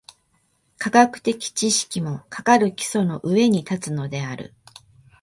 科学的知識も、かかる基礎の上に立つのである。